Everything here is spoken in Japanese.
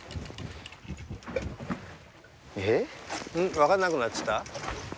分かんなくなっちゃった？